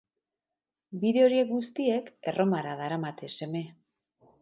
Bide horiek guztiek Erromara daramate, seme.